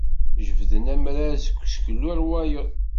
Jebden amrar seg useklu ɣer wayeḍ.